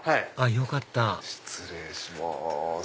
よかった失礼します。